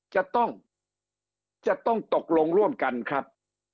จะต้องตกลงร่วมกันครับ